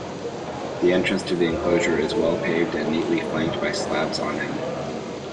The entrance to the enclosure is well-paved and neatly flanked by slabs on end.